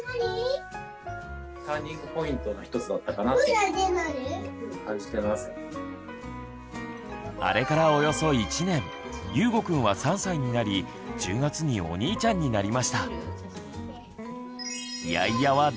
無意識のうちにあれからおよそ１年ゆうごくんは３歳になり１０月にお兄ちゃんになりました。